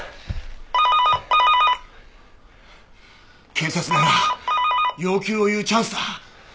警察なら要求を言うチャンスだ。